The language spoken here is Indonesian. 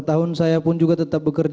empat tahun saya pun juga tetap berkembang